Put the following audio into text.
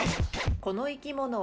この生き物は？